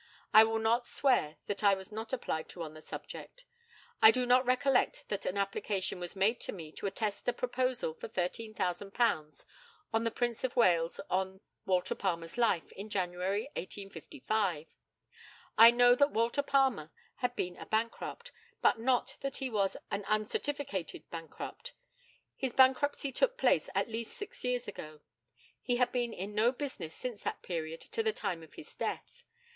I will not swear that I was not applied to on the subject. I do not recollect that an application was made to me to attest a proposal for £13,000 in the Prince of Wales on Walter Palmer's life, in January, 1855. I know that Walter Palmer had been a bankrupt, but not that he was an uncertificated bankrupt. His bankruptcy took place at least six years ago. He had been in no business since that period to the time of his death.